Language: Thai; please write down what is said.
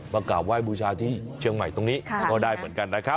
กราบไหว้บูชาที่เชียงใหม่ตรงนี้ก็ได้เหมือนกันนะครับ